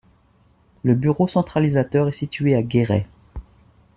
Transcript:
Le bureau centralisateur est situé à Guéret.